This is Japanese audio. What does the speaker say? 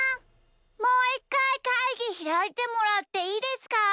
もういっかいかいぎひらいてもらっていいですか？